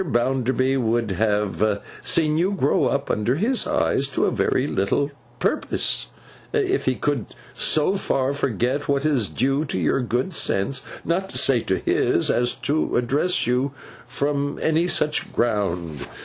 Bounderby would have seen you grow up under his eyes, to very little purpose, if he could so far forget what is due to your good sense, not to say to his, as to address you from any such ground.